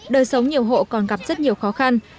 đời sống nhiều hộ còn gặp rất nhiều khó khăn